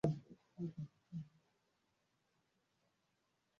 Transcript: matano ya Hispania na matano ya ligi kuu ya Hungary